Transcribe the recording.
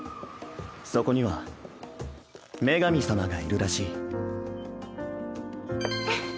そこには女神様がいるらしいふふっ。